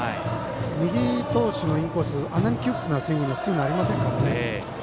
右投手のインコースあんなに窮屈なスイングにはなりませんからね。